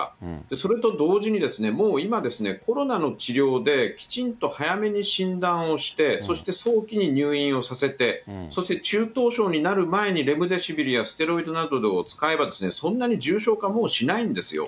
それと同時に、もう今、コロナの治療で、きちんと早めに診断をして、そして早期に入院をさせて、そして中等症になる前にレムデシビルやステロイドなどを使えば、そんなに重症化、もうしないんですよ。